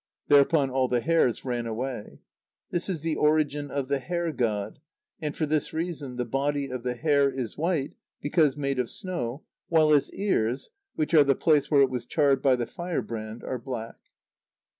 Thereupon all the hares ran away. This is the origin of the hare[ god]; and for this reason the body of the hare is white because made of snow, while its ears which are the place where it was charred by the fire brand, are black.